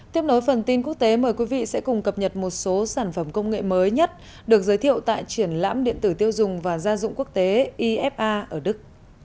tiếp nối phần tin quốc tế mời quý vị sẽ cùng cập nhật một số sản phẩm công nghệ mới nhất được giới thiệu tại triển lãm điện tử tiêu dùng và gia dụng quốc tế ifa ở đức